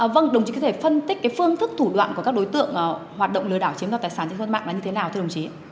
vâng đồng chí có thể phân tích phương thức thủ đoạn của các đối tượng hoạt động lừa đảo chiếm đoạt tài sản trên trang mạng là như thế nào